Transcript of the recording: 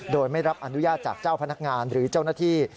โดยไม่รับอนุญาตจากเจ้าพนักงานหรือเจ้าหน้าที่